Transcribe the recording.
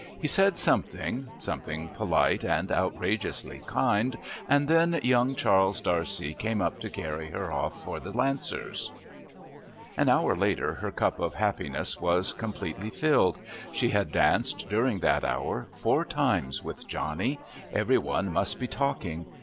He said something something polite and outrageously kind and then young Charles D'Arcy came up to carry her off for the Lancers. An hour later her cup of happiness was completely filled. She had danced, during that hour, four times with Johnny; every one must be talking.